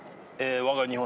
わが日本。